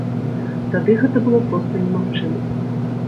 Тады гэта было проста немагчыма.